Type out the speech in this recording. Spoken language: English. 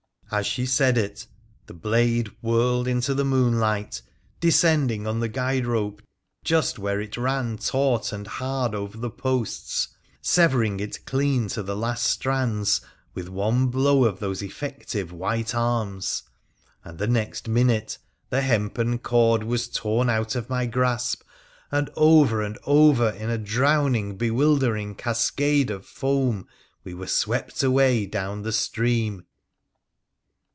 ' As she said it the blade whirled into the moonlight, descending on the guide rope just where it ran taut and hard over the posts, severing it clean to the last strands with one blow of those effective white arms, and the next minute the hempen cord was torn out of my grasp, and over and over in a drowning, bewildering cascade of foam we were swept away down the stream.